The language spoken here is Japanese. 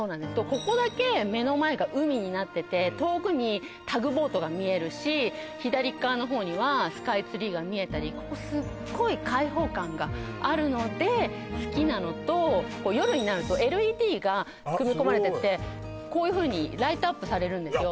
ここだけ目の前が海になってて遠くにタグボートが見えるし左側のほうにはスカイツリーが見えたりここすっごい開放感があるので好きなのと夜になるとＬＥＤが組み込まれててあすごいこういうふうにライトアップされるんですよ